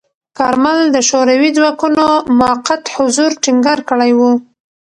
کارمل د شوروي ځواکونو موقت حضور ټینګار کړی و.